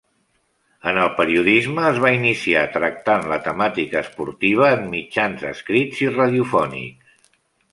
En el periodisme es va iniciar tractant la temàtica esportiva, en mitjans escrits i radiofònics.